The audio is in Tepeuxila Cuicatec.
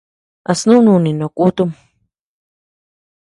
¿A snú núni no kutum?